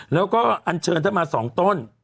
แล้วก็อันเชิญท่านมา๒ต้น